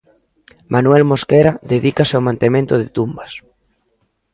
Manuel Mosquera dedícase ao mantemento de tumbas.